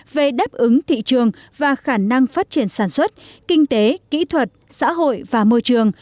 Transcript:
về đáp ứng thị trường và khả năng phát triển sản xuất kinh tế kỹ thuật xã hội và môi trường